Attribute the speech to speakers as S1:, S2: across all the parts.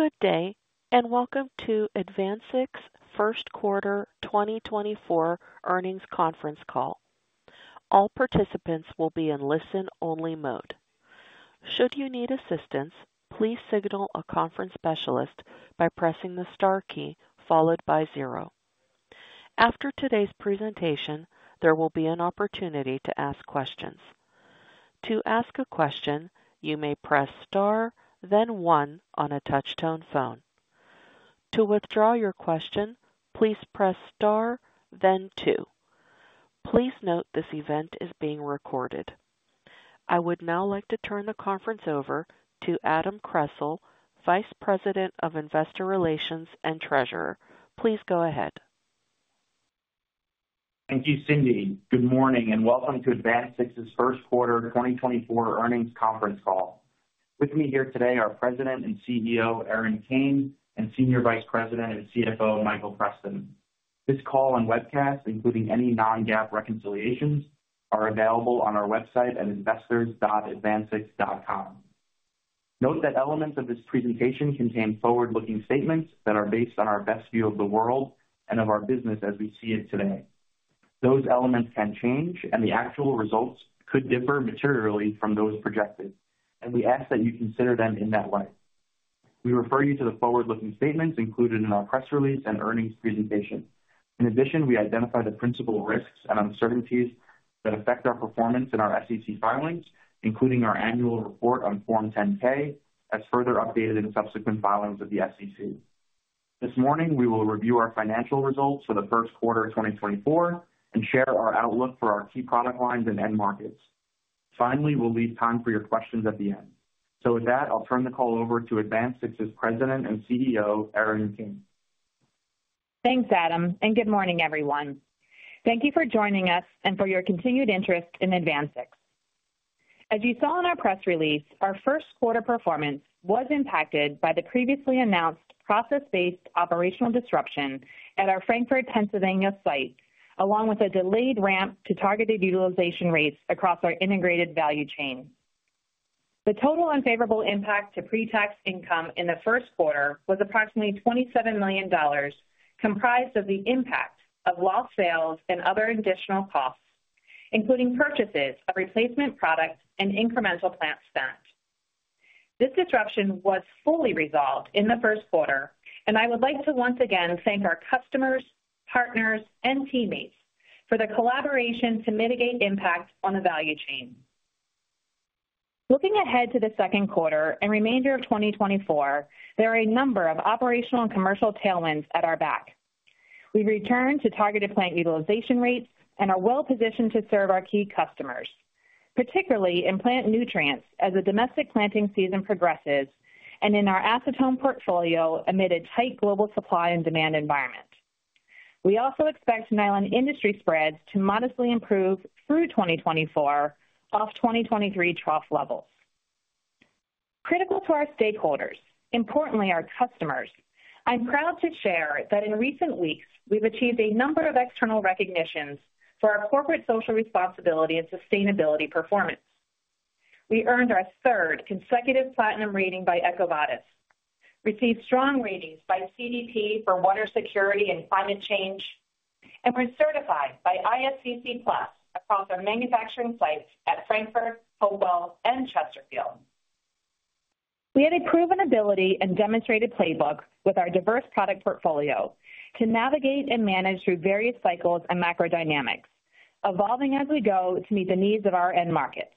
S1: Good day, and welcome to AdvanSix first quarter 2024 earnings conference call. All participants will be in listen-only mode. Should you need assistance, please signal a conference specialist by pressing the star key followed by zero. After today's presentation, there will be an opportunity to ask questions. To ask a question, you may press star, then one on a touchtone phone. To withdraw your question, please press star then two. Please note this event is being recorded. I would now like to turn the conference over to Adam Kressel, Vice President of Investor Relations and Treasurer. Please go ahead.
S2: Thank you, Cindy. Good morning, and welcome to AdvanSix's first quarter 2024 earnings conference call. With me here today are President and CEO, Erin Kane, and Senior Vice President and CFO, Michael Preston. This call and webcast, including any non-GAAP reconciliations, are available on our website at investors.advansix.com. Note that elements of this presentation contain forward-looking statements that are based on our best view of the world and of our business as we see it today. Those elements can change, and the actual results could differ materially from those projected, and we ask that you consider them in that light. We refer you to the forward-looking statements included in our press release and earnings presentation. In addition, we identify the principal risks and uncertainties that affect our performance in our SEC filings, including our annual report on Form 10-K, as further updated in subsequent filings with the SEC. This morning, we will review our financial results for the first quarter of 2024 and share our outlook for our key product lines and end markets. Finally, we'll leave time for your questions at the end. So with that, I'll turn the call over to AdvanSix's President and CEO, Erin Kane.
S3: Thanks, Adam, and good morning, everyone. you for joining us and for your continued interest in AdvanSix. As you saw in our press release, our first quarter performance was impacted by the previously announced process-based operational disruption at our Frankford, Pennsylvania site, along with a delayed ramp to targeted utilization rates across our integrated value chain. The total unfavorable impact to pre-tax income in the first quarter was approximately $27 million, comprised of the impact of lost sales and other additional costs, including purchases of replacement products and incremental plant spend. This disruption was fully resolved in the first quarter, and I would like to once again our customers, partners, and teammates for their collaboration to mitigate impacts on the value chain. Looking ahead to the second quarter and remainder of 2024, there are a number of operational and commercial tailwinds at our back. We've returned to targeted plant utilization rates and are well positioned to serve our key customers, particularly in plant nutrients as the domestic planting season progresses and in our acetone portfolio amid a tight global supply and demand environment. We also expect nylon industry spreads to modestly improve through 2024 off 2023 trough levels. Critical to our stakeholders, importantly, our customers, I'm proud to share that in recent weeks, we've achieved a number of external recognitions for our corporate social responsibility and sustainability performance. We earned our third consecutive platinum rating by EcoVadis, received strong ratings by CDP for water security and climate change, and were certified by ISCC Plus across our manufacturing sites at Frankford, Hopewell, and Chesterfield. We had a proven ability and demonstrated playbook with our diverse product portfolio to navigate and manage through various cycles and macro dynamics, evolving as we go to meet the needs of our end markets.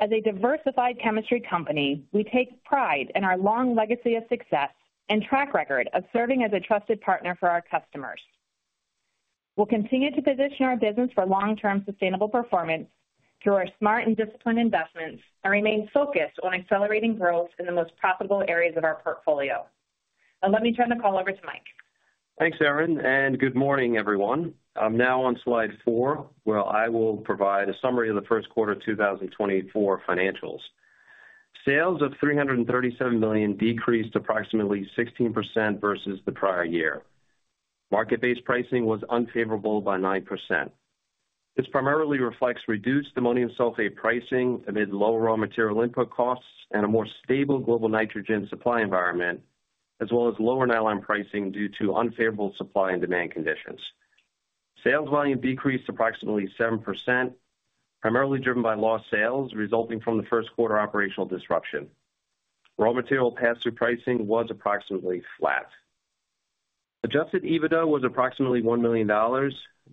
S3: As a diversified chemistry company, we take pride in our long legacy of success and track record of serving as a trusted partner for our customers. We'll continue to position our business for long-term sustainable performance through our smart and disciplined investments and remain focused on accelerating growth in the most profitable areas of our portfolio. Now, let me turn the call over to Mike.
S4: Thanks, Erin, and good morning, everyone. I'm now on slide 4, where I will provide a summary of the first quarter of 2024 financials. Sales of $337 million decreased approximately 16% versus the prior year. Market-based pricing was unfavorable by 9%. This primarily reflects reduced ammonium sulfate pricing amid lower raw material input costs and a more stable global nitrogen supply environment, as well as lower nylon pricing due to unfavorable supply and demand conditions. Sales volume decreased approximately 7%, primarily driven by lost sales resulting from the first quarter operational disruption. Raw material pass-through pricing was approximately flat. Adjusted EBITDA was approximately $1 million,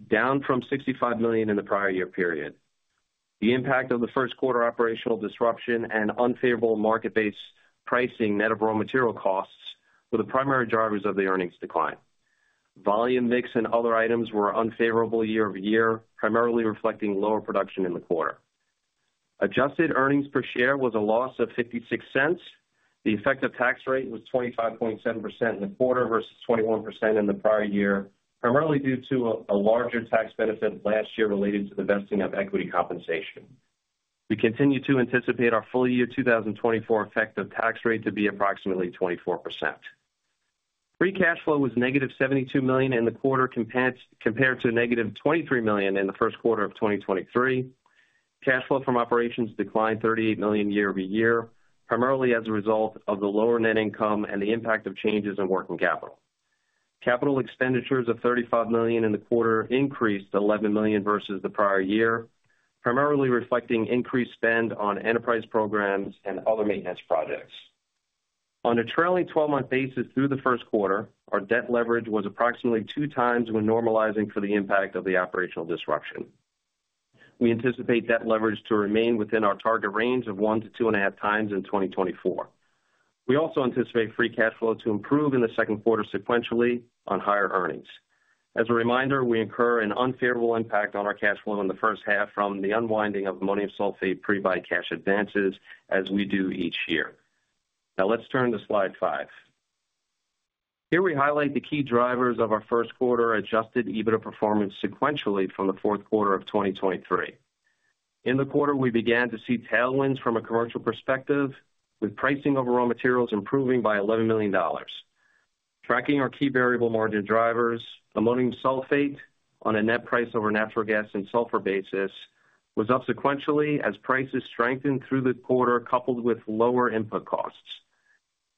S4: down from $65 million in the prior year period. The impact of the first quarter operational disruption and unfavorable market-based pricing net of raw material costs were the primary drivers of the earnings decline. Volume mix and other items were unfavorable year-over-year, primarily reflecting lower production in the quarter. Adjusted earnings per share was a loss of $0.56. The effective tax rate was 25.7% in the quarter versus 21% in the prior year, primarily due to a larger tax benefit last year related to the vesting of equity compensation. We continue to anticipate our full year 2024 effective tax rate to be approximately 24%.... Free cash flow was negative $72 million in the quarter compared to negative $23 million in the first quarter of 2023. Cash flow from operations declined $38 million year-over-year, primarily as a result of the lower net income and the impact of changes in working capital. Capital expenditures of $35 million in the quarter increased $11 million versus the prior year, primarily reflecting increased spend on enterprise programs and other maintenance projects. On a trailing twelve-month basis through the first quarter, our debt leverage was approximately 2x when normalizing for the impact of the operational disruption. We anticipate debt leverage to remain within our target range of 1x-2.5x in 2024. We also anticipate free cash flow to improve in the second quarter sequentially on higher earnings. As a reminder, we incur an unfavorable impact on our cash flow in the first half from the unwinding of ammonium sulfate pre-buy cash advances, as we do each year. Now let's turn to slide 5. Here we highlight the key drivers of our first quarter adjusted EBITDA performance sequentially from the fourth quarter of 2023. In the quarter, we began to see tailwinds from a commercial perspective, with pricing of raw materials improving by $11 million. Tracking our key variable margin drivers, ammonium sulfate on a net price over natural gas and sulfur basis, was up sequentially as prices strengthened through the quarter, coupled with lower input costs.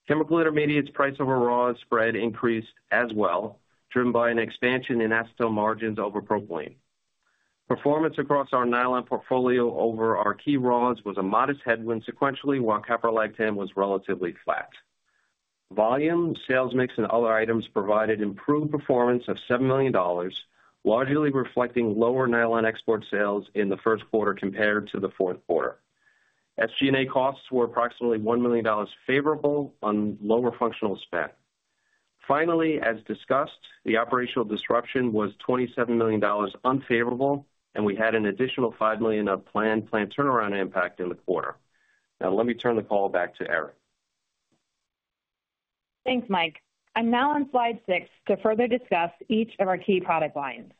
S4: Chemical intermediates price over raw spread increased as well, driven by an expansion in acetone margins over propylene. Performance across our nylon portfolio over our key raws was a modest headwind sequentially, while caprolactam was relatively flat. Volume, sales mix and other items provided improved performance of $7 million, largely reflecting lower nylon export sales in the first quarter compared to the fourth quarter. SG&A costs were approximately $1 million favorable on lower functional spend. Finally, as discussed, the operational disruption was $27 million unfavorable, and we had an additional $5 million of planned plant turnaround impact in the quarter. Now, let me turn the call back to Erin.
S3: Thanks, Mike. I'm now on slide 6 to further discuss each of our key product lines.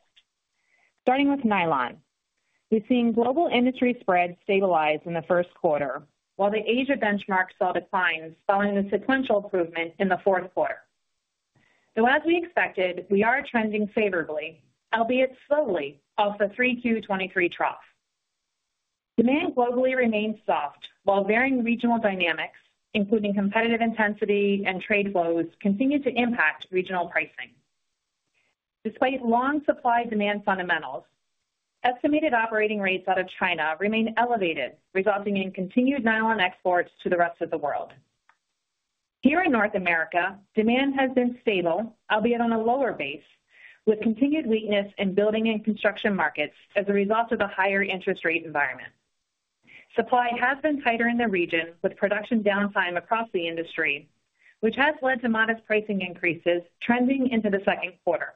S3: Starting with nylon. We've seen global industry spreads stabilize in the first quarter, while the Asia benchmark saw declines following the sequential improvement in the fourth quarter. So as we expected, we are trending favorably, albeit slowly, off the 3Q 2023 trough. Demand globally remains soft, while varying regional dynamics, including competitive intensity and trade flows, continue to impact regional pricing. Despite long supply-demand fundamentals, estimated operating rates out of China remain elevated, resulting in continued nylon exports to the rest of the world. Here in North America, demand has been stable, albeit on a lower base, with continued weakness in building and construction markets as a result of the higher interest rate environment. Supply has been tighter in the region, with production downtime across the industry, which has led to modest pricing increases trending into the second quarter.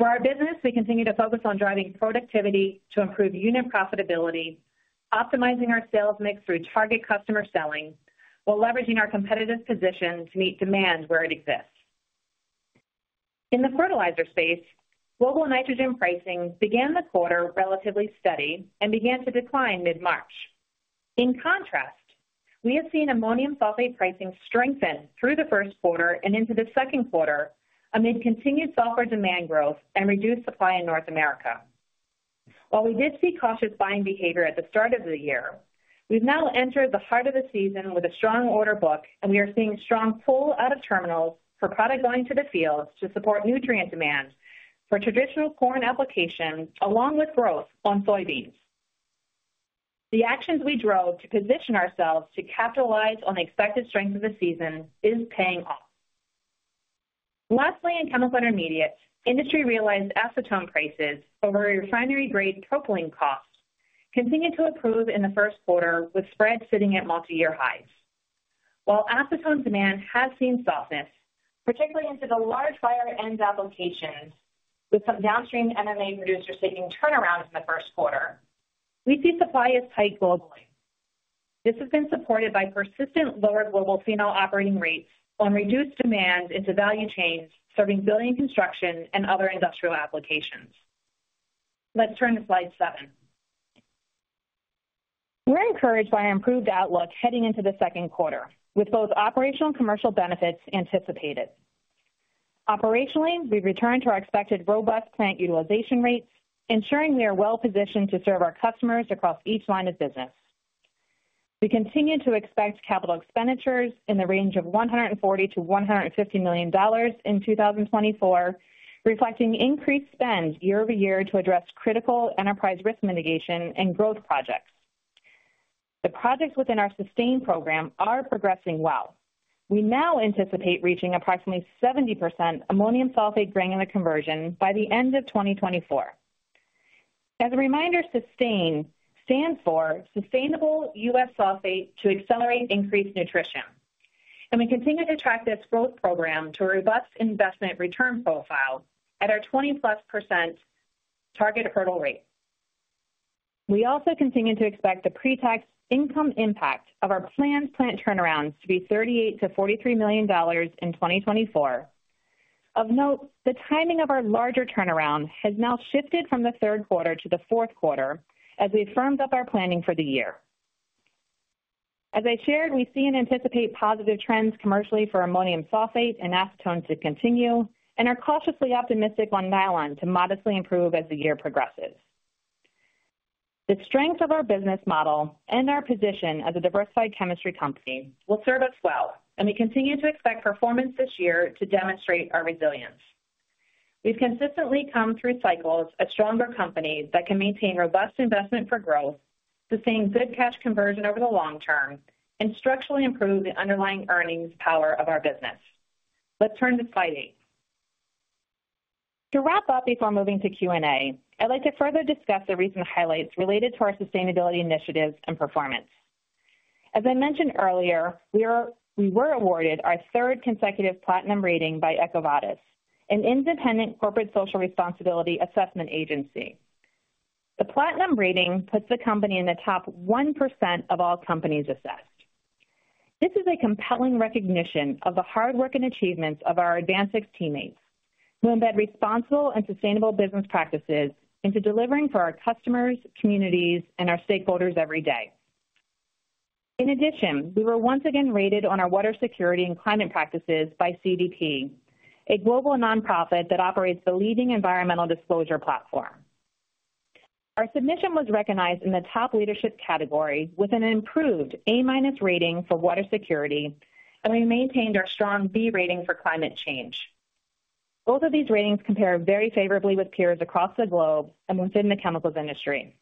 S3: For our business, we continue to focus on driving productivity to improve unit profitability, optimizing our sales mix through target customer selling, while leveraging our competitive position to meet demand where it exists. In the fertilizer space, global nitrogen pricing began the quarter relatively steady and began to decline mid-March. In contrast, we have seen ammonium sulfate pricing strengthen through the first quarter and into the second quarter amid continued sulfur demand growth and reduced supply in North America. While we did see cautious buying behavior at the start of the year, we've now entered the heart of the season with a strong order book, and we are seeing strong pull out of terminals for product going to the fields to support nutrient demand for traditional corn applications, along with growth on soybeans. The actions we drove to position ourselves to capitalize on the expected strength of the season is paying off. Lastly, in chemical intermediate, industry-realized acetone prices over refinery-grade propylene costs continued to improve in the first quarter, with spreads sitting at multi-year highs. While acetone demand has seen softness, particularly into the large fiber ends applications, with some downstream MMA producers taking turnarounds in the first quarter, we see supply is tight globally. This has been supported by persistent lower global phenol operating rates on reduced demand into value chains serving building and construction and other industrial applications. Let's turn to slide 7. We're encouraged by our improved outlook heading into the second quarter, with both operational and commercial benefits anticipated. Operationally, we've returned to our expected robust plant utilization rates, ensuring we are well positioned to serve our customers across each line of business. We continue to expect capital expenditures in the range of $140 million-$150 million in 2024, reflecting increased spend year-over-year to address critical enterprise risk mitigation and growth projects. The projects within our SUSTAIN program are progressing well. We now anticipate reaching approximately 70% ammonium sulfate granular conversion by the end of 2024. As a reminder, SUSTAIN stands for Sustainable U.S. Sulfate to Accelerate Increased Nutrition, and we continue to track this growth program to a robust investment return profile at our 20%+ target hurdle rate. We also continue to expect the pre-tax income impact of our planned plant turnarounds to be $38 million-$43 million in 2024. Of note, the timing of our larger turnaround has now shifted from the third quarter to the fourth quarter as we firmed up our planning for the year.... As I shared, we see and anticipate positive trends commercially for ammonium sulfate and acetone to continue, and are cautiously optimistic on nylon to modestly improve as the year progresses. The strength of our business model and our position as a diversified chemistry company will serve us well, and we continue to expect performance this year to demonstrate our resilience. We've consistently come through cycles a stronger company that can maintain robust investment for growth, sustaining good cash conversion over the long term, and structurally improve the underlying earnings power of our business. Let's turn to Slide 8. To wrap up before moving to Q&A, I'd like to further discuss the recent highlights related to our sustainability initiatives and performance. As I mentioned earlier, we were awarded our third consecutive platinum rating by EcoVadis, an independent corporate social responsibility assessment agency. The platinum rating puts the company in the top 1% of all companies assessed. This is a compelling recognition of the hard work and achievements of our AdvanSix teammates, who embed responsible and sustainable business practices into delivering for our customers, communities, and our stakeholders every day. In addition, we were once again rated on our water security and climate practices by CDP, a global nonprofit that operates the leading environmental disclosure platform. Our submission was recognized in the top leadership category with an improved A-minus rating for water security, and we maintained our strong B rating for climate change. Both of these ratings compare very favorably with peers across the globe and within the chemicals industry.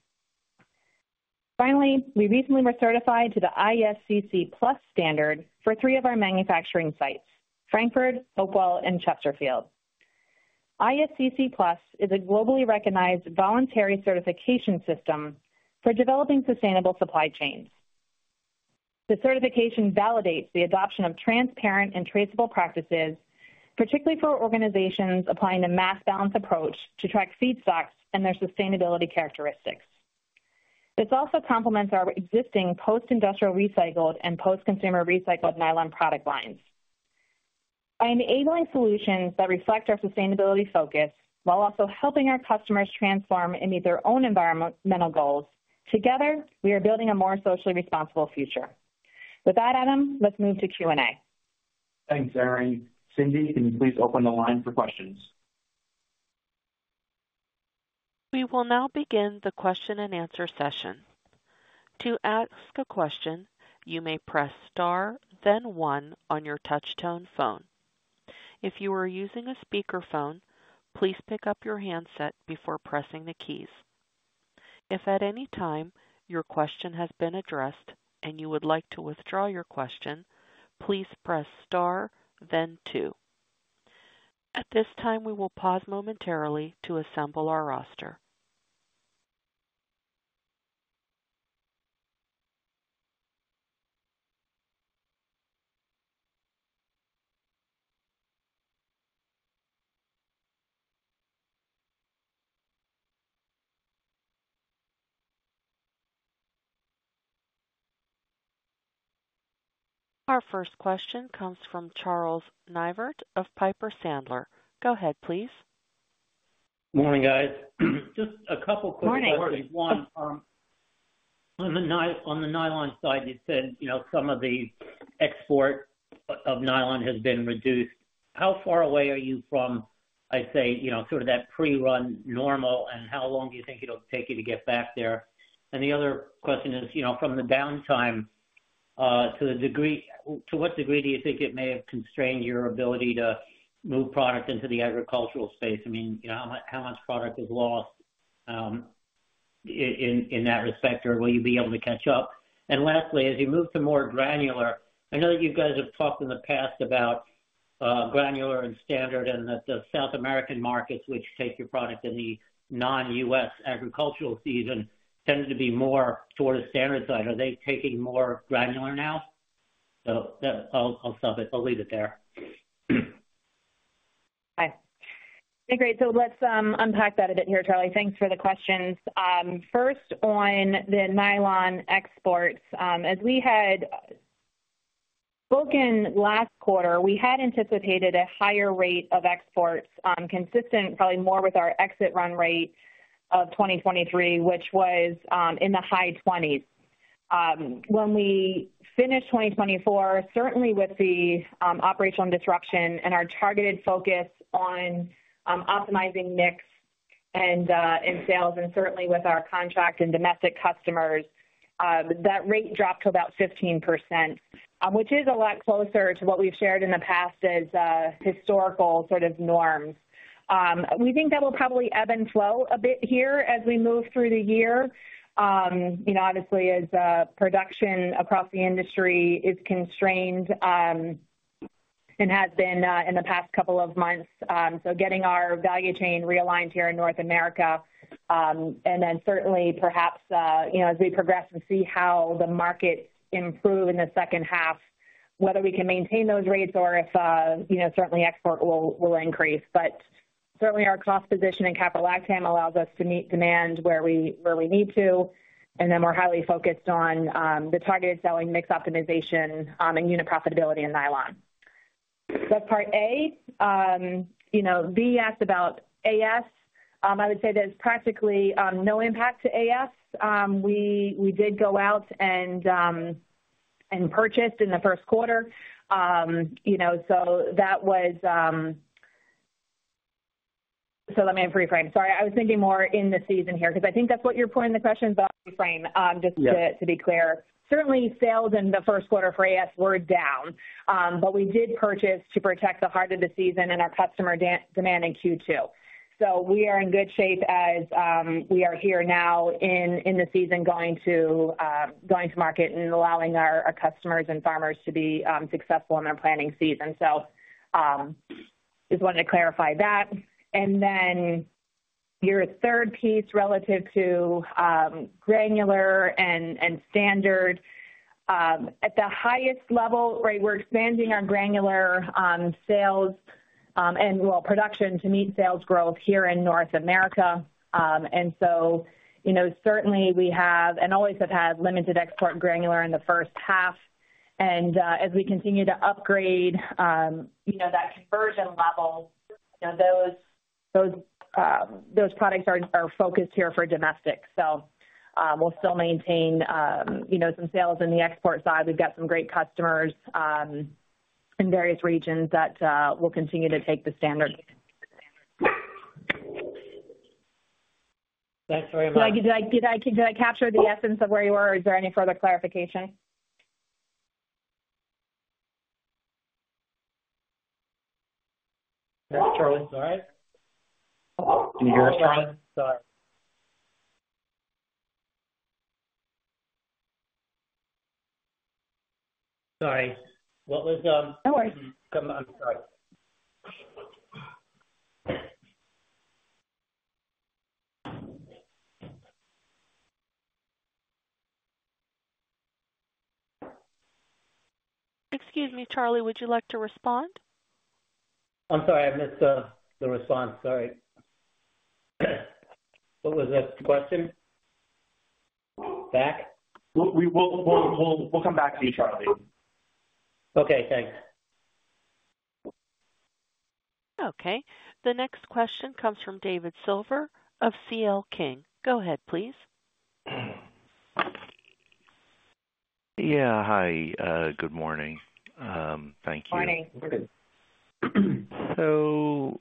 S3: Finally, we recently were certified to the ISCC Plus standard for three of our manufacturing sites, Frankford, Hopewell, and Chesterfield. ISCC Plus is a globally recognized voluntary certification system for developing sustainable supply chains. The certification validates the adoption of transparent and traceable practices, particularly for organizations applying a mass balance approach to track feedstocks and their sustainability characteristics. This also complements our existing post-industrial recycled and post-consumer recycled nylon product lines. By enabling solutions that reflect our sustainability focus, while also helping our customers transform and meet their own environmental goals, together, we are building a more socially responsible future. With that, Adam, let's move to Q&A.
S2: Thanks, Erin. Cindy, can you please open the line for questions?
S1: We will now begin the question-and-answer session. To ask a question, you may press Star, then one on your touchtone phone. If you are using a speakerphone, please pick up your handset before pressing the keys. If at any time your question has been addressed and you would like to withdraw your question, please press Star then two. At this time, we will pause momentarily to assemble our roster. Our first question comes from Charles Neivert of Piper Sandler. Go ahead, please.
S5: Morning, guys. Just a couple quick questions.
S3: Morning.
S5: One, on the nylon side, you said, you know, some of the export of nylon has been reduced. How far away are you from, I'd say, you know, sort of that pre-run normal, and how long do you think it'll take you to get back there? And the other question is, you know, from the downtime, to what degree do you think it may have constrained your ability to move product into the agricultural space? I mean, you know, how much product is lost, in that respect, or will you be able to catch up? Lastly, as you move to more Granular, I know that you guys have talked in the past about granular and Standard and that the South American markets, which take your product in the non-US agricultural season, tends to be more toward the Standard side. Are they taking more Granular now? So I'll stop it. I'll leave it there.
S3: Hi. Great. So let's unpack that a bit here, Charlie. s for the questions. First, on the nylon exports. As we had spoken last quarter, we had anticipated a higher rate of exports, consistent, probably more with our exit run rate of 2023, which was in the high 20s. When we finished 2024, certainly with the operational disruption and our targeted focus on optimizing mix and sales, and certainly with our contract and domestic customers, that rate dropped to about 15%, which is a lot closer to what we've shared in the past as historical sort of norms. We think that will probably ebb and flow a bit here as we move through the year. You know, obviously, as production across the industry is constrained, and has been in the past couple of months. So getting our value chain realigned here in North America, and then certainly perhaps, you know, as we progress and see how the market improve in the second half, whether we can maintain those rates or if, you know, certainly export will increase. But certainly, our cost position in caprolactam allows us to meet demand where we really need to, and then we're highly focused on the targeted selling mix optimization, and unit profitability in nylon.... That's part A. You know, B, you asked about AS. I would say there's practically no impact to AS. We did go out and purchased in the first quarter. You know, so that was... So let me reframe. Sorry, I was thinking more in the season here, because I think that's what you're pointing the question, but reframe, just to-
S5: Yeah.
S3: To be clear. Certainly, sales in the first quarter for AS were down, but we did purchase to protect the heart of the season and our customer demand in Q2. So we are in good shape as we are here now in the season, going to market and allowing our customers and farmers to be successful in their planting season. So just wanted to clarify that. And then your third piece relative to granular and standard. At the highest level, right, we're expanding our granular sales and well, production to meet sales growth here in North America. And so, you know, certainly we have and always have had limited export granular in the first half. As we continue to upgrade, you know, that conversion level, you know, those products are focused here for domestic. So, we'll still maintain, you know, some sales in the export side. We've got some great customers in various regions that will continue to take the standard.
S5: Thanks very much.
S3: Did I capture the essence of where you were, or is there any further clarification?
S2: Charlie, sorry. Can you hear us, Charlie?
S5: Sorry. Sorry. What was-
S3: No worries.
S5: I'm sorry.
S1: Excuse me, Charlie, would you like to respond?
S5: I'm sorry. I missed the response. Sorry. What was the question? Back?
S2: We'll come back to you, Charlie.
S5: Okay, thanks.
S1: Okay, the next question comes from David Silver of CL King. Go ahead, please.
S6: Yeah, hi. Good morning. Thank you.
S3: Morning.
S6: So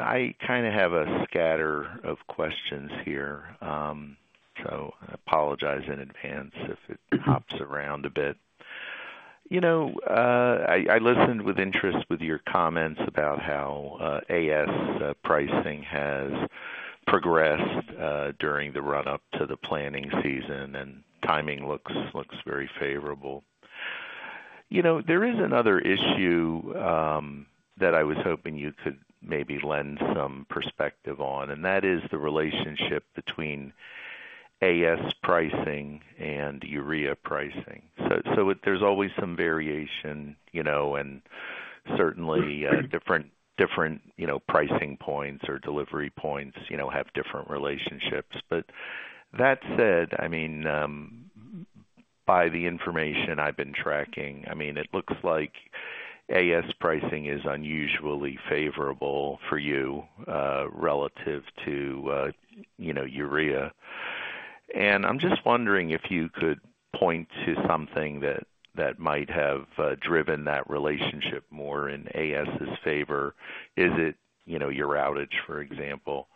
S6: I kind of have a scatter of questions here. So I apologize in advance if it hops around a bit. You know, I listened with interest with your comments about how, AS pricing has progressed, during the run-up to the planning season, and timing looks very favorable. You know, there is another issue, that I was hoping you could maybe lend some perspective on, and that is the relationship between AS pricing and urea pricing. So, there's always some variation, you know, and certainly, different pricing points or delivery points, you know, have different relationships. But that said, I mean, by the information I've been tracking, I mean, it looks like AS pricing is unusually favorable for you, relative to, you know, urea. I'm just wondering if you could point to something that might have driven that relationship more in AS's favor? Is it, you know, your outage, for example?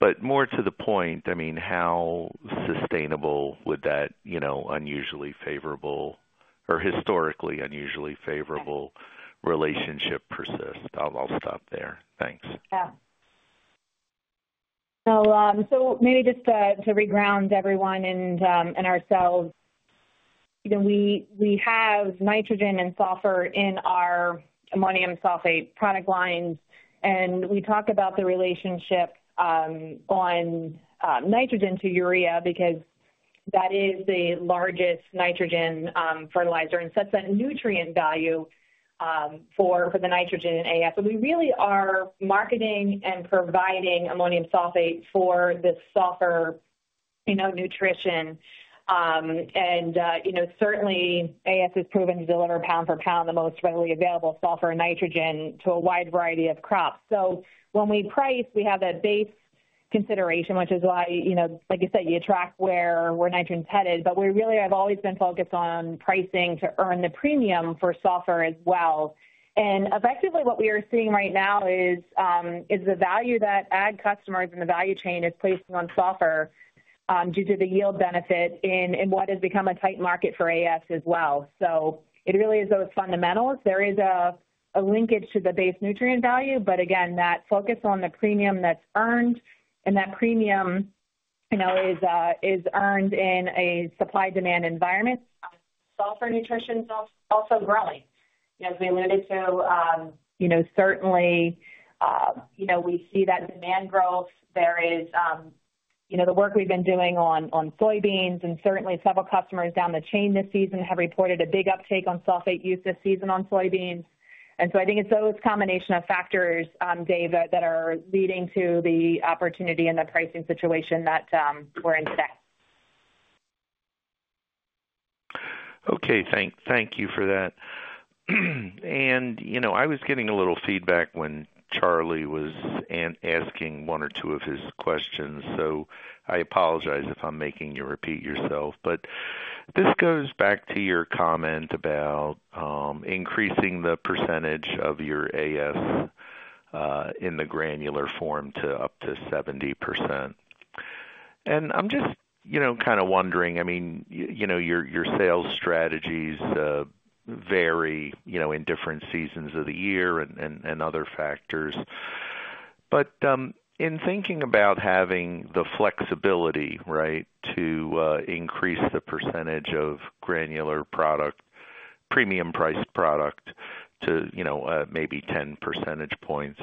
S6: But more to the point, I mean, how sustainable would that, you know, unusually favorable or historically unusually favorable relationship persist? I'll stop there. Thanks.
S3: Yeah. So, so maybe just to, to reground everyone and, and ourselves. You know, we, we have nitrogen and sulfur in our ammonium sulfate product lines, and we talk about the relationship, on, nitrogen to urea, because that is the largest nitrogen, fertilizer and sets that nutrient value, for, for the nitrogen in AS. So we really are marketing and providing ammonium sulfate for the sulfur, you know, nutrition. And, you know, certainly AS has proven to deliver pound for pound, the most readily available sulfur and nitrogen to a wide variety of crops. So when we price, we have that base consideration, which is why, you know, like you said, you track where, where nitrogen's headed. But we really have always been focused on pricing to earn the premium for sulfur as well. And effectively, what we are seeing right now is the value that ag customers in the value chain is placing on sulfur, due to the yield benefit in what has become a tight market for AS as well. So it really is those fundamentals. There is a linkage to the base nutrient value, but again, that focus on the premium that's earned and that premium, you know, is earned in a supply-demand environment. Sulfur nutrition is also growing. As we alluded to, you know, certainly, you know, we see that demand growth. There is, you know, the work we've been doing on soybeans and certainly several customers down the chain this season have reported a big uptake on sulfate use this season on soybeans. So I think it's those combination of factors, David, that are leading to the opportunity and the pricing situation that we're in today....
S6: Okay, you for that. And, you know, I was getting a little feedback when Charlie was asking one or two of his questions, so I apologize if I'm making you repeat yourself, but this goes back to your comment about increasing the percentage of your AS in the granular form to up to 70%. And I'm just, you know, kind of wondering, I mean, you know, your sales strategies vary, you know, in different seasons of the year and other factors. But in thinking about having the flexibility, right, to increase the percentage of granular product, premium priced product to, you know, maybe 10 percentage points.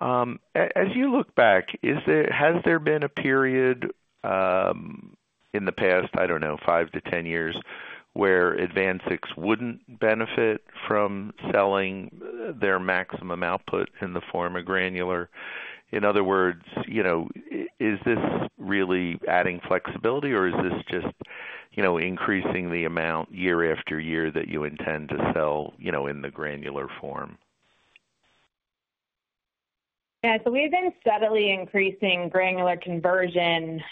S6: As you look back, has there been a period, in the past, I don't know, five-10 years, where AdvanSix wouldn't benefit from selling their maximum output in the form of Granular? In other words, you know, is this really adding flexibility, or is this just, you know, increasing the amount year after year that you intend to sell, you know, in the Granular form?
S3: Yeah. So we've been steadily increasing granular conversion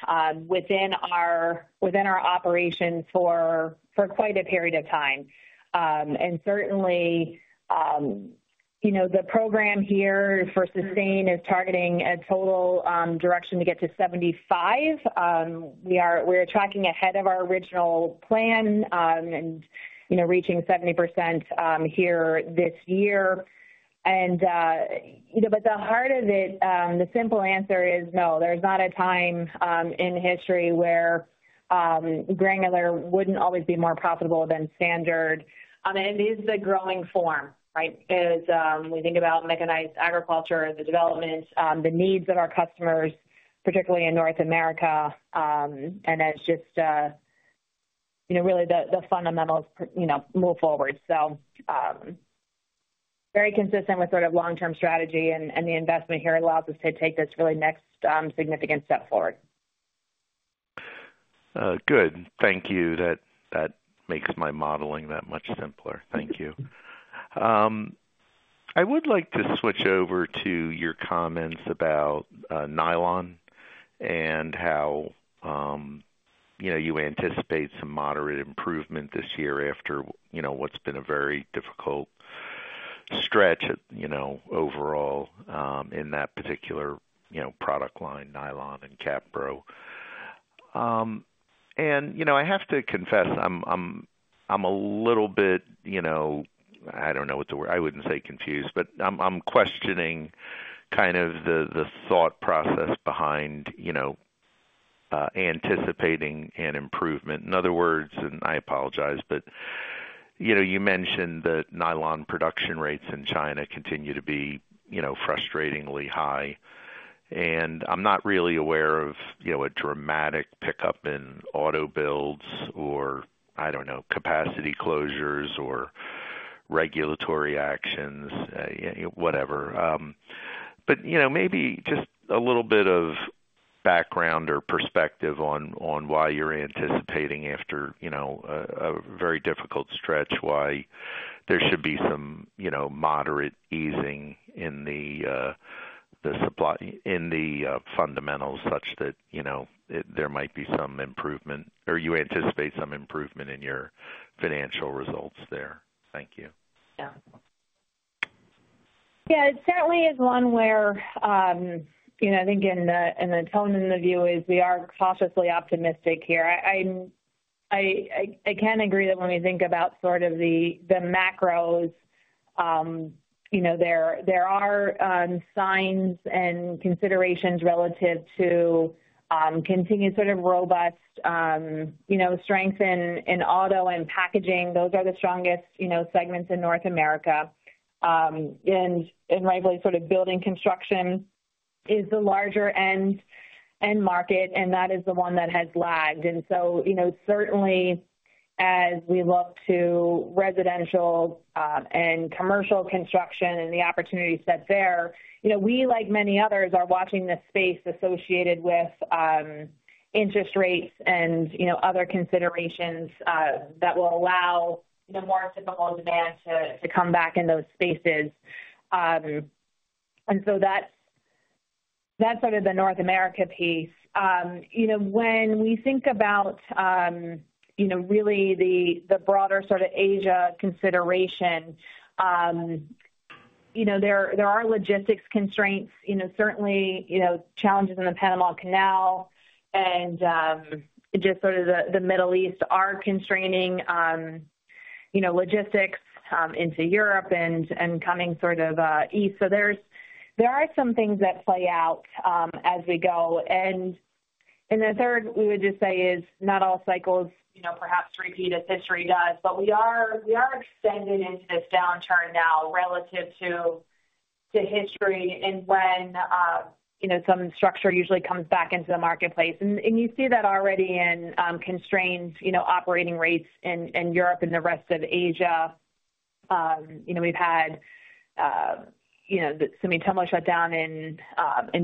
S3: within our operation for quite a period of time. And certainly, you know, the program here for SUSTAIN is targeting a total direction to get to 75. We are, we're tracking ahead of our original plan, and, you know, reaching 70% here this year. And, you know, but the heart of it, the simple answer is no, there's not a time in history where granular wouldn't always be more profitable than standard. And it is the growing form, right? As we think about mechanized agriculture, the development, the needs of our customers, particularly in North America, and it's just, you know, really the fundamentals, you know, move forward. So, very consistent with sort of long-term strategy and the investment here allows us to take this really next significant step forward.
S6: Good. Thank you. That makes my modeling that much simpler. you. I would like to switch over to your comments about nylon and how you know, you anticipate some moderate improvement this year after, you know, what's been a very difficult stretch, you know, overall in that particular, you know, product line, nylon and capro. And, you know, I have to confess, I'm a little bit, you know, I don't know what the word. I wouldn't say confused, but I'm questioning kind of the thought process behind, you know, anticipating an improvement. In other words, and I apologize, but, you know, you mentioned that nylon production rates in China continue to be, you know, frustratingly high, and I'm not really aware of, you know, a dramatic pickup in auto builds or, I don't know, capacity closures or regulatory actions, you know, whatever. But, you know, maybe just a little bit of background or perspective on why you're anticipating after, you know, a very difficult stretch, why there should be some, you know, moderate easing in the supply fundamentals such that, you know, it, there might be some improvement or you anticipate some improvement in your financial results there. Thank you.
S3: Yeah. Yeah, it certainly is one where, you know, I think in the, in the tone in the view is we are cautiously optimistic here. I can agree that when we think about sort of the, the macros, you know, there are signs and considerations relative to continued sort of robust, you know, strength in auto and packaging. Those are the strongest, you know, segments in North America. And rightly, sort of building construction is the larger end market, and that is the one that has lagged. And so, you know, certainly as we look to residential, and commercial construction and the opportunities that's there, you know, we, like many others, are watching this space associated with, interest rates and, you know, other considerations, that will allow, you know, more typical demand to come back in those spaces. And so that's, that's sort of the North America piece. You know, when we think about, you know, really the broader sort of Asia consideration, you know, there are logistics constraints, you know, certainly, you know, challenges in the Panama Canal and, just sort of the Middle East are constraining, you know, logistics, into Europe and, and coming sort of, east. So there are some things that play out, as we go. And the third, we would just say is, not all cycles, you know, perhaps repeat as history does, but we are extending into this downturn now relative to history and when, you know, some structure usually comes back into the marketplace. And you see that already in constraints, you know, operating rates in Europe and the rest of Asia.... You know, we've had the Sumitomo shut down in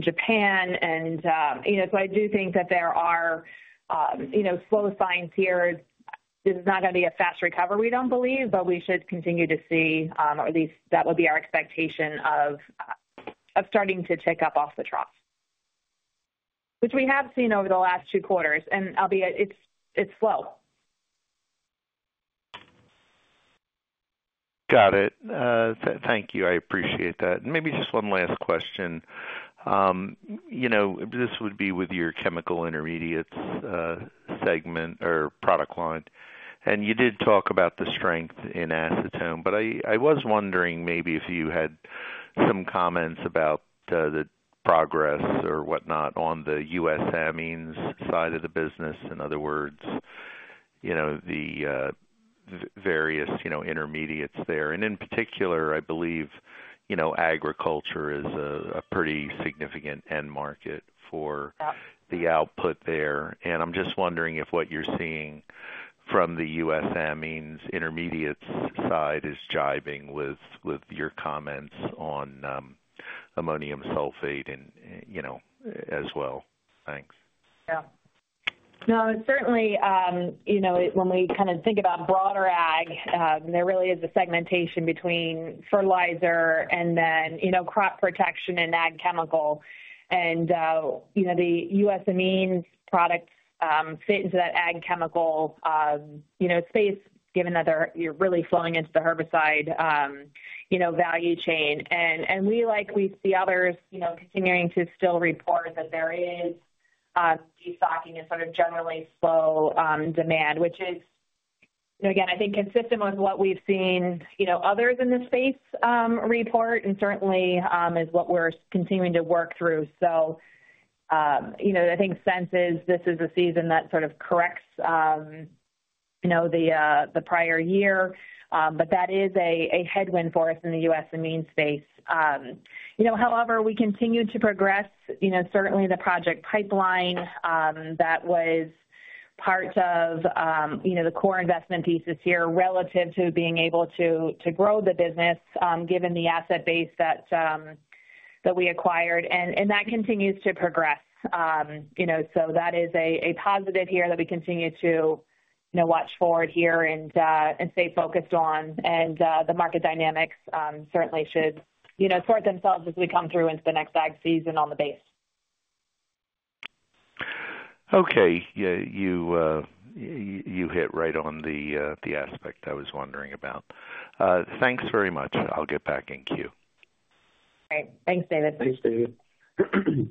S3: Japan. And you know, so I do think that there are slow signs here. This is not going to be a fast recovery, we don't believe, but we should continue to see, or at least that would be our expectation of starting to tick up off the trough, which we have seen over the last two quarters, and albeit it's slow.
S6: Got it. you. I appreciate that. Maybe just one last question. You know, this would be with your chemical intermediates segment or product line. And you did talk about the strength in acetone, but I was wondering maybe if you had some comments about the progress or whatnot on the U.S. Amines side of the business. In other words, you know, the various, you know, intermediates there. And in particular, I believe, you know, agriculture is a pretty significant end market for-
S3: Yeah.
S6: the output there. I'm just wondering if what you're seeing from the U.S. Amines intermediates side is jiving with, with your comments on ammonium sulfate and, you know, as well. Thanks.
S3: Yeah. No, certainly, you know, when we kind of think about broader ag, there really is a segmentation between fertilizer and then, you know, crop protection and ag chemical. And, you know, the U.S. Amines products, fit into that ag chemical, you know, space, given that they're really flowing into the herbicide, you know, value chain. And, and we, like we see others, you know, continuing to still report that there is, destocking and sort of generally slow, demand, which is, again, I think, consistent with what we've seen, you know, others in the space, report and certainly, is what we're continuing to work through. So, you know, I think since this is a season that sort of corrects, you know, the, the prior year, but that is a, a headwind for us in the U.S. Amines space. You know, however, we continue to progress, you know, certainly the project pipeline, that was part of, you know, the core investment piece this year, relative to being able to, to grow the business, given the asset base that, that we acquired, and, and that continues to progress. You know, so that is a, a positive here that we continue to, you know, watch forward here and, and stay focused on. And, the market dynamics, certainly should, you know, sort themselves as we come through into the next ag season on the base.
S6: Okay. Yeah, you hit right on the aspect I was wondering about. Thanks very much. I'll get back in queue.
S3: Great. Thanks, David.
S2: Thanks, David.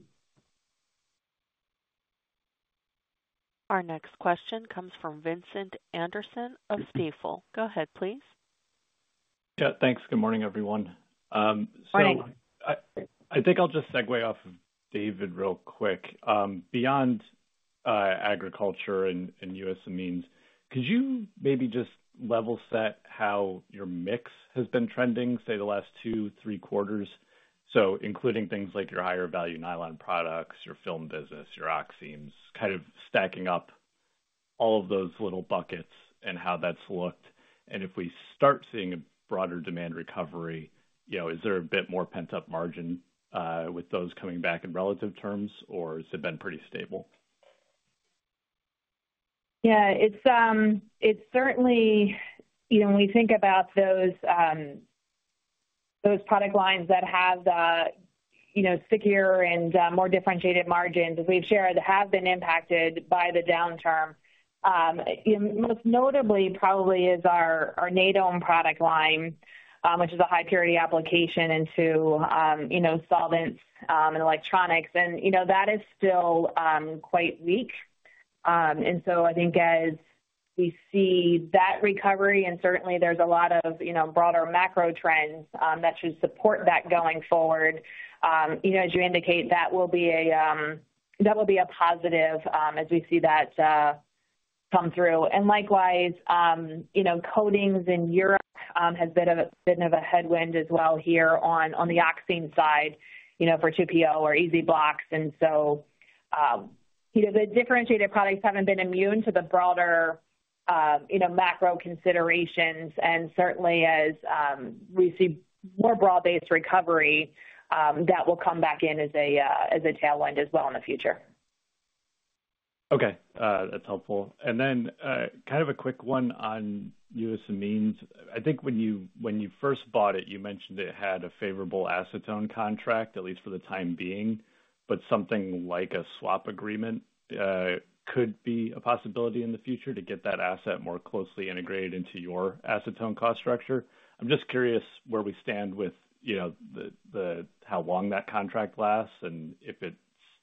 S1: Our next question comes from Vincent Anderson of Stifel. Go ahead, please.
S7: Yeah, thanks. Good morning, everyone.
S3: Morning.
S7: So I think I'll just segue off of David real quick. Beyond agriculture and U.S. Amines, could you maybe just level set how your mix has been trending, say, the last two, three quarters? So including things like your higher value nylon products, your film business, your oximes, kind of stacking up all of those little buckets and how that's looked. And if we start seeing a broader demand recovery, you know, is there a bit more pent-up margin with those coming back in relative terms, or has it been pretty stable?
S3: Yeah, it's, it's certainly... You know, when we think about those, those product lines that have the, you know, secure and, more differentiated margins, as we've shared, have been impacted by the downturn. Most notably probably is our, our Nadone product line, which is a high purity application into, you know, solvents, and electronics. And, you know, that is still, quite weak. And so I think as we see that recovery, and certainly there's a lot of, you know, broader macro trends, that should support that going forward, you know, as you indicate, that will be a, that will be a positive, as we see that, come through. Likewise, you know, coatings in Europe has been a headwind as well here on the oxime side, you know, for 2-PO or EZ-Blox. So, you know, the differentiated products haven't been immune to the broader, you know, macro considerations. Certainly as we see more broad-based recovery, that will come back in as a tailwind as well in the future.
S7: Okay, that's helpful. Then, kind of a quick one on U.S. Amines. I think when you, when you first bought it, you mentioned it had a favorable acetone contract, at least for the time being, but something like a swap agreement, could be a possibility in the future to get that asset more closely integrated into your acetone cost structure. I'm just curious where we stand with, you know, the how long that contract lasts, and if it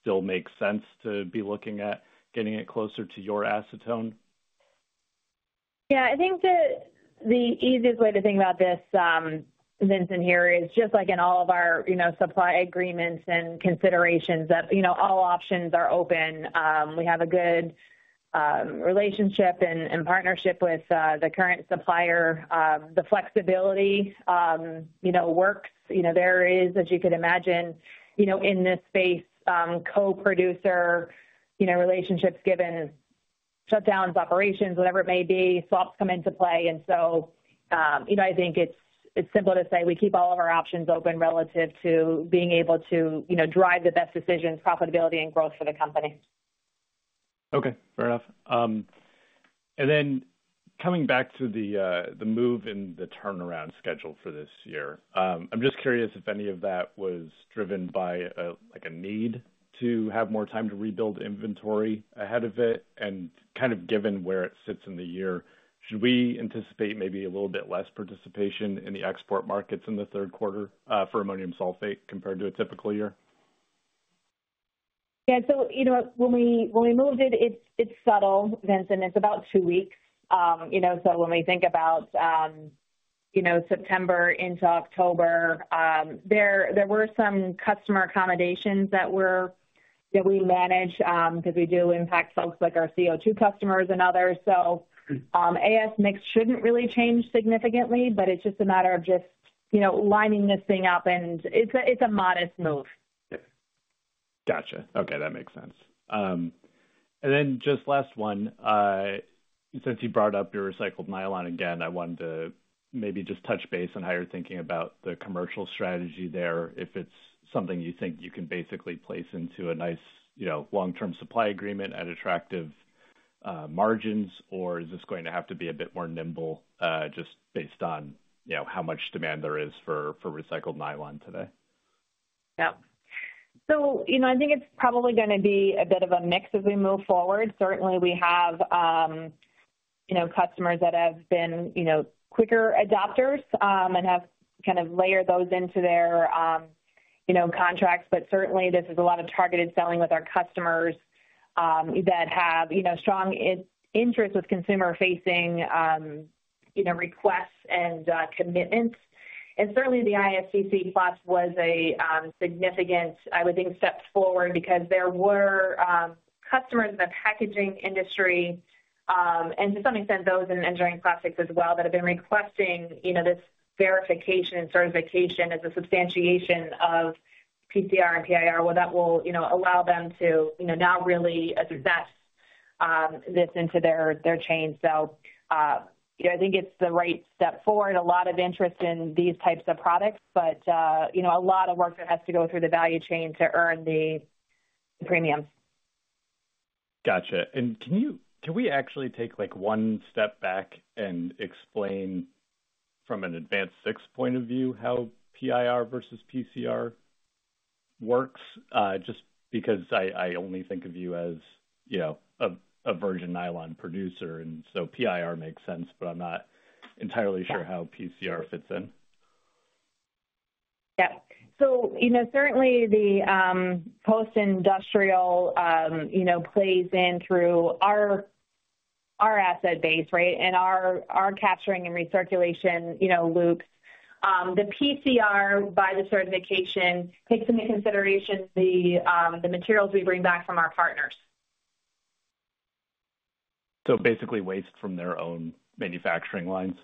S7: still makes sense to be looking at getting it closer to your acetone.
S3: Yeah, I think the easiest way to think about this, Vincent, here is just like in all of our, you know, supply agreements and considerations, that, you know, all options are open. We have a good relationship and partnership with the current supplier. The flexibility, you know, works. You know, there is, as you could imagine, you know, in this space, co-producer, you know, relationships, shutdowns, operations, whatever it may be, swaps come into play. And so, you know, I think it's simple to say we keep all of our options open relative to being able to, you know, drive the best decisions, profitability, and growth for the company.
S7: Okay, fair enough. Then coming back to the move in the turnaround schedule for this year, I'm just curious if any of that was driven by a, like, a need to have more time to rebuild inventory ahead of it? Kind of given where it sits in the year, should we anticipate maybe a little bit less participation in the export markets in the third quarter for ammonium sulfate compared to a typical year?
S3: Yeah, so you know, when we moved it, it's subtle, Vincent, it's about two weeks. You know, so when we think about, you know, September into October, there were some customer accommodations that we manage, because we do impact folks like our CO2 customers and others. So, AS mix shouldn't really change significantly, but it's just a matter of just, you know, lining this thing up, and it's a modest move.
S7: Yeah. Gotcha. Okay, that makes sense. And then just last one, since you brought up your recycled nylon again, I wanted to maybe just touch base on how you're thinking about the commercial strategy there. If it's something you think you can basically place into a nice, you know, long-term supply agreement at attractive margins, or is this going to have to be a bit more nimble, just based on, you know, how much demand there is for recycled nylon today?
S3: Yeah. So, you know, I think it's probably gonna be a bit of a mix as we move forward. Certainly, we have, you know, customers that have been, you know, quicker adopters, and have kind of layered those into their, you know, contracts. But certainly, this is a lot of targeted selling with our customers, that have, you know, strong interest with consumer-facing, you know, requests and commitments. And certainly, the ISCC Plus was a significant, I would think, step forward because there were customers in the packaging industry, and to some extent, those in engineering plastics as well, that have been requesting, you know, this verification and certification as a substantiation of PCR and PIR. Well, that will, you know, allow them to, you know, now really assess this into their chain. So, you know, I think it's the right step forward. A lot of interest in these types of products, but, you know, a lot of work that has to go through the value chain to earn the premiums.
S7: Gotcha. And can we actually take, like, one step back and explain from an AdvanSix point of view, how PIR versus PCR works? Just because I, I only think of you as, you know, a virgin nylon producer, and so PIR makes sense, but I'm not entirely sure- Yeah... how PCR fits in.
S3: Yeah. So, you know, certainly the post-industrial, you know, plays in through our asset base, right? And our capturing and recirculation, you know, loops. The PCR, by the certification, takes into consideration the materials we bring back from our partners.
S7: Basically waste from their own manufacturing lines?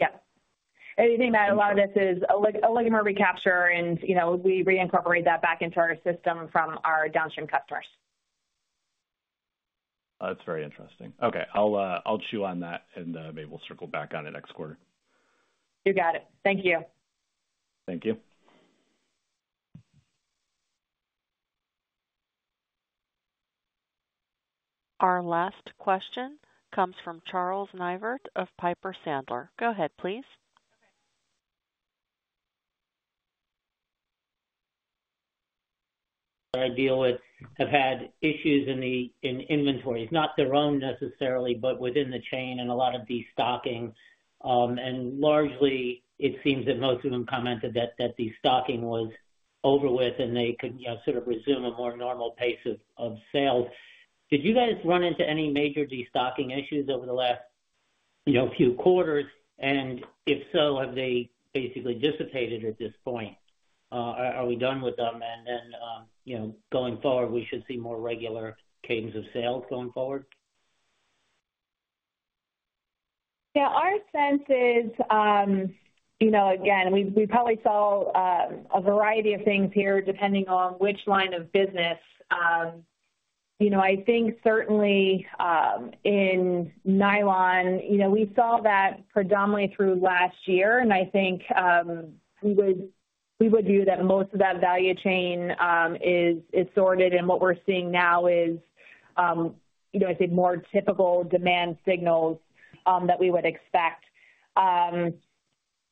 S3: Yeah. I think that a lot of this is a little recapture, and, you know, we reincorporate that back into our system from our downstream customers.
S7: That's very interesting. Okay, I'll, I'll chew on that, and, maybe we'll circle back on it next quarter.
S3: You got it. Thank you.
S7: Thank you.
S1: Our last question comes from Charles Neivert of Piper Sandler. Go ahead, please.
S5: I deal with have had issues in inventories, not their own necessarily, but within the chain and a lot of destocking. And largely it seems that most of them commented that destocking was over with, and they could, you know, sort of resume a more normal pace of sales. Did you guys run into any major destocking issues over the last, you know, few quarters? And if so, have they basically dissipated at this point? Are we done with them and then, you know, going forward, we should see more regular cadence of sales going forward?
S3: Yeah, our sense is, you know, again, we probably saw a variety of things here, depending on which line of business. You know, I think certainly, in nylon, you know, we saw that predominantly through last year, and I think, we would view that most of that value chain is sorted. And what we're seeing now is, you know, I think more typical demand signals that we would expect.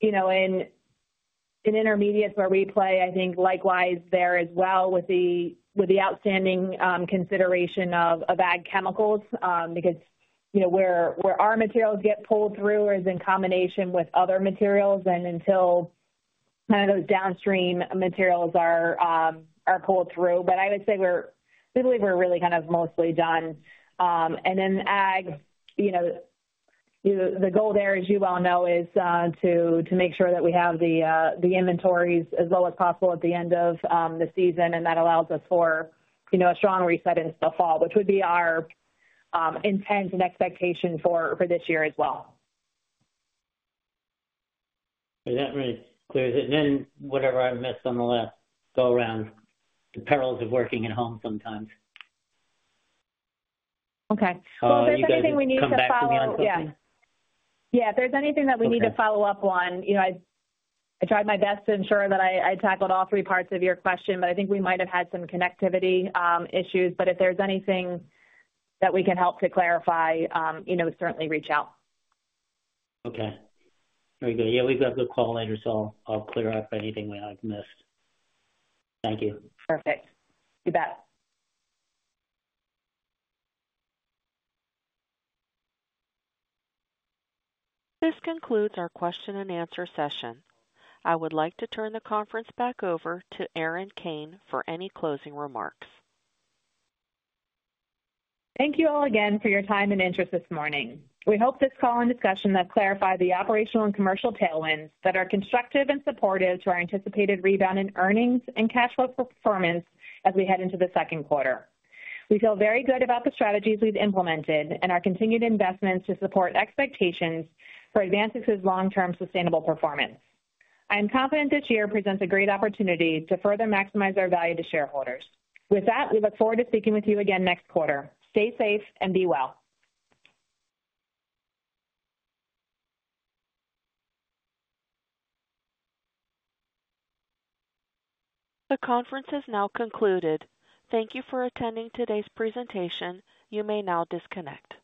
S3: You know, in intermediates where we play, I think likewise there as well with the outstanding consideration of ag chemicals, because, you know, where our materials get pulled through is in combination with other materials, and until kind of those downstream materials are pulled through. But I would say we're. We believe we're really kind of mostly done. And then ag, you know, you know, the goal there, as you well know, is to to make sure that we have the the inventories as well as possible at the end of the season, and that allows us for, you know, a strong reset into the fall, which would be our intent and expectation for for this year as well.
S5: That really clears it. Whatever I missed on the last go around, the perils of working at home sometimes.
S3: Okay. Well, if there's anything we need to follow- Yeah. Yeah, if there's anything that we need-
S5: Okay...
S3: to follow up on, you know, I tried my best to ensure that I tackled all three parts of your question, but I think we might have had some connectivity issues, but if there's anything that we can help to clarify, you know, certainly reach out.
S5: Okay. Very good. Yeah, we've got the call later, so I'll, I'll clear up anything that I've missed. Thank you.
S3: Perfect. You bet.
S1: This concludes our question and answer session. I would like to turn the conference back over to Erin Kane for any closing remarks.
S3: Thank you all again for your time and interest this morning. We hope this call and discussion have clarified the operational and commercial tailwinds that are constructive and supportive to our anticipated rebound in earnings and cash flow performance as we head into the second quarter. We feel very good about the strategies we've implemented and our continued investments to support expectations for AdvanSix's long-term sustainable performance. I am confident this year presents a great opportunity to further maximize our value to shareholders. With that, we look forward to speaking with you again next quarter. Stay safe and be well.
S1: The conference is now concluded. Thank you for attending today's presentation. You may now disconnect.